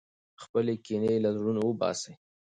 خپلې کینې له زړونو وباسئ.